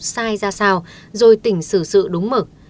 sai ra sao rồi tỉnh xử sự đúng mực